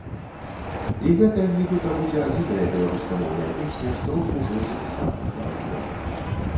І гэта, нібыта, будзе адзіная беларускамоўная песня, з трох ужо запісаных, на альбоме.